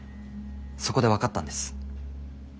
そこで分かったんです。